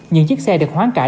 những chiếc xe được hoán cại